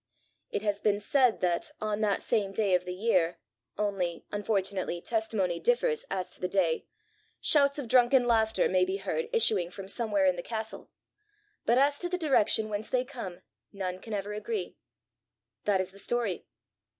It has been said that, on that same day of the year only, unfortunately, testimony differs as to the day shouts of drunken laughter may be heard issuing from somewhere in the castle; but as to the direction whence they come, none can ever agree. That is the story."